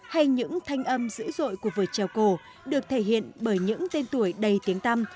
hay những thanh âm dữ dội của vở trèo cổ được thể hiện bởi những tên tuổi đầy tiếng tâm